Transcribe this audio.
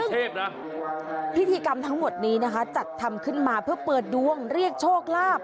เทพนะพิธีกรรมทั้งหมดนี้นะคะจัดทำขึ้นมาเพื่อเปิดดวงเรียกโชคลาภ